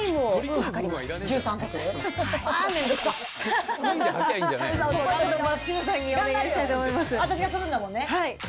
頑張るよ、私がするんだもんね？